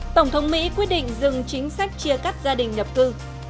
tổng thống mỹ quyết định dừng chính sách chia cắt gia đình nhập cư